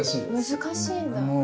難しいんだ。